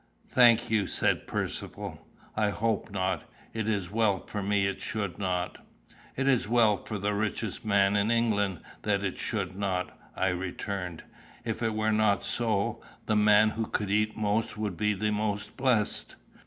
"Thank you," said Percivale. "I hope not. It is well for me it should not." "It is well for the richest man in England that it should not," I returned. "If it were not so, the man who could eat most would be the most blessed."